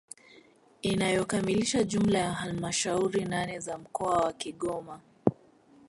inayokamilisha jumla ya halmashauri nane za mkoa wa Kigoma